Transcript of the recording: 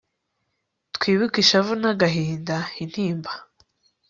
twibuke ishavu n'agahinda, intimba